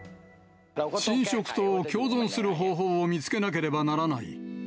浸食と共存する方法を見つけなければならない。